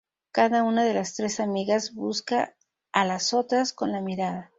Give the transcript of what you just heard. Cada una de las tres amigas busca a las otras con la mirada.